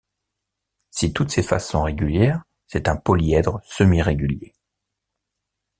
Si toutes ses faces sont régulières, c'est un polyèdre semi-régulier.